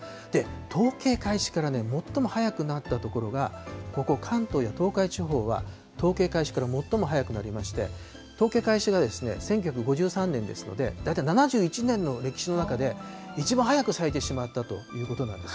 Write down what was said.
統計開始から最も早くなった所が、ここ、関東や東海地方は統計開始から最も早くなりまして、統計開始が１９５３年ですので、大体７１年の歴史の中で一番早く咲いてしまったということなんです。